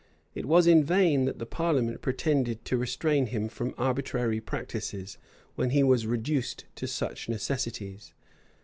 [*] It was in vain that the parliament pretended to restrain him from arbitrary practices, when he was reduced to such necessities.